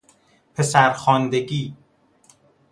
پسر خواندگی